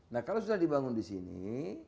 nah kalau sudah dibangun disini